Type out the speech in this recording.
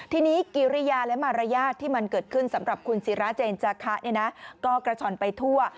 ทีนี้กิริยาและมารยาทที่มันเกิดขึ้นสำหรับคุณศิราเจนจาคะก็กระช่อนไปทั่ว